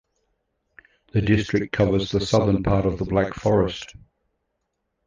The district covers the southern part of the Black Forest.